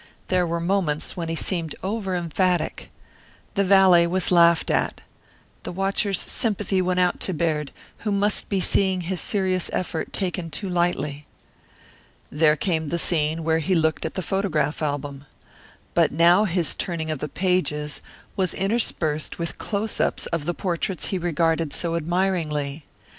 There were moments when he seemed over emphatic. The valet was laughed at. The watcher's sympathy went out to Baird, who must be seeing his serious effort taken too lightly. There came the scene where he looked at the photograph album. But now his turning of the pages was interspersed with close ups of the portraits he regarded so admiringly.